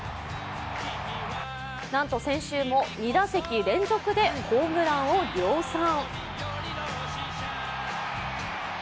なんと先週も２打席連続でホームランを量産。